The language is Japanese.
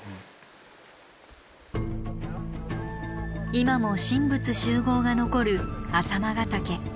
今も神仏習合が残る朝熊ヶ岳。